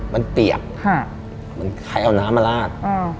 มันเปียบใครเอาน้ำมาลาด